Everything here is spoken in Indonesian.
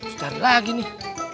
setara lagi nih